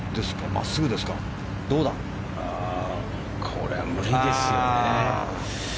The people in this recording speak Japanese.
これは無理ですよね。